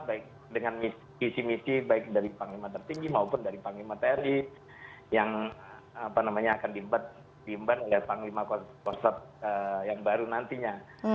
baik dengan misi misi baik dari panglima tertinggi maupun dari panglima tni yang akan diimban oleh panglima konsep yang baru nantinya